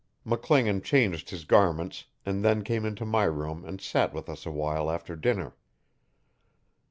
McGlingan changed his garments and then came into my room and sat with us awhile after dinner.